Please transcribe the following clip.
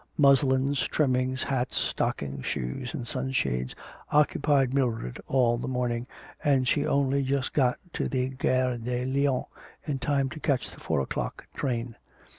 Muslins, trimmings, hats, stockings, shoes, and sunshades occupied Mildred all the morning, and she only just got to the Gare de Lyons in time to catch the four o'clock train.